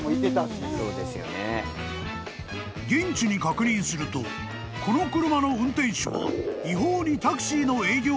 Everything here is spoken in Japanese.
［現地に確認するとこの車の運転手は］